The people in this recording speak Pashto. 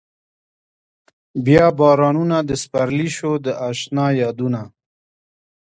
بيا بارانونه د سپرلي شو د اشنا يادونه